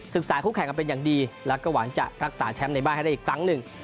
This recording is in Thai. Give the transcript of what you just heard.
สายคู่แข่งกันเป็นอย่างดีแล้วก็หวังจะรักษาแชมป์ในบ้านให้ได้อีกครั้งหนึ่ง